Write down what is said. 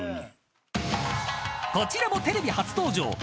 ［こちらもテレビ初登場。